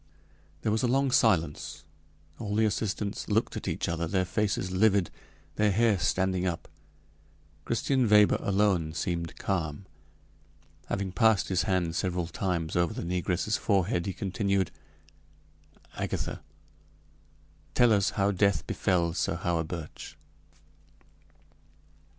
There was a long silence. All the assistants looked at each other, their faces livid, their hair standing up. Christian Weber alone seemed calm; having passed his hand several times over the negress's forehead, he continued: "Agatha, tell us how death befell Sir Hawerburch."